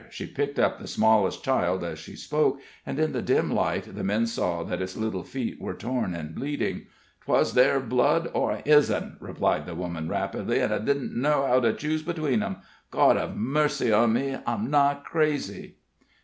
She picked up the smallest child as she spoke, and in the dim light the men saw that its little feet were torn and bleeding. "'Twas their blood or his'n," cried the woman, rapidly, "an' I didn't know how to choose between 'em. God hev mercy on me! I'm nigh crazy!"